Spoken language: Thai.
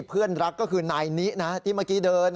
เพื่อนรักก็คือนายนินะที่เมื่อกี้เดิน